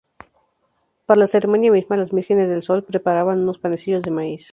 Para la ceremonia misma, las vírgenes del Sol preparaban unos panecillos de maíz.